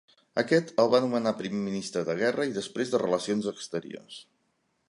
Aquest el va nomenar primer ministre de Guerra i després de Relacions Exteriors.